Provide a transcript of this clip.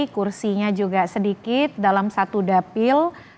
kursinya juga sedikit dalam satu dapil